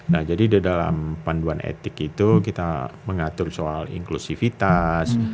nah jadi di dalam panduan etik itu kita mengatur soal inklusivitas